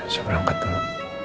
saya berangkat dulu